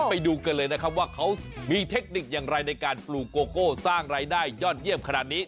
ไปดูกันเลยนะครับว่าเขามีเทคนิคอย่างไรในการปลูกโกโก้สร้างรายได้ยอดเยี่ยมขนาดนี้